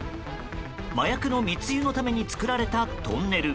麻薬の密輸のために作られたトンネル。